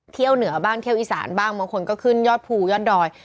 เหนือบ้างเที่ยวอีสานบ้างบางคนก็ขึ้นยอดภูยอดดอย